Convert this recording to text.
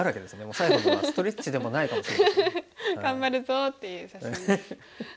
最後のはストレッチでもないかもしれないですね。「頑張るぞ」っていう写真です。